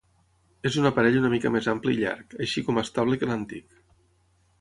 És un aparell una mica més ample i llarg, així com estable que l'antic.